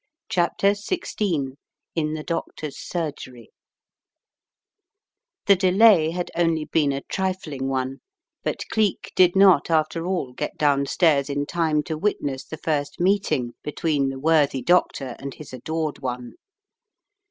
CHAPTER XVI IN THE DOCTORS SURGERY THE delay had only been a trifling one, but Geek did not, alter all, get downstairs m time to witness the first meeting between the worthy doctor and his adored one.